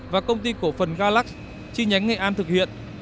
và công ty cổ phần galax chi nhánh nghệ an thực hiện